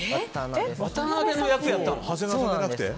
渡辺の役をやったの？